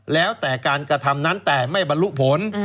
แล้วแต่การกระทำนั้นแต่ไม่บรรลุผล